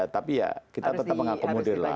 tapi ya kita tetap mengakomodirlah